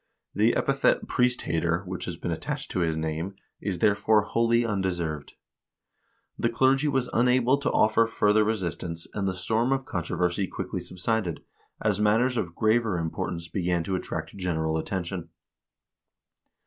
The epithet "Priest hater" which has been attached to his name is, therefore, wholly undeserved. The clergy was unable to offer further resist ance, and the storm of controversy quickly subsided, as matters of THE REIGN OF EIRIK MAGNUSSON 477 graver importance began to attract general attention.